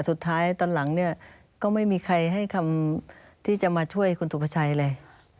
ตอนหลังเนี่ยก็ไม่มีใครให้คำที่จะมาช่วยคุณสุภาชัยเลย